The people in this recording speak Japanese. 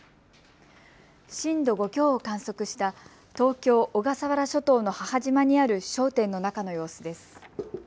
震度５強を観測した東京小笠原諸島の母島にある商店の中の様子です。